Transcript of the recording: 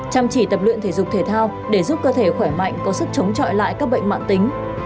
chăm chỉ tập luyện thể dục thể thao để giúp cơ thể khỏe mạnh có sức chống trọi lại các bệnh mạng tính